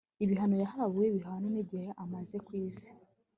Ibihano yahawe bihwana nigihe amaze ku isi